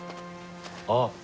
あっ。